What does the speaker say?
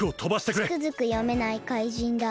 つくづくよめないかいじんだ。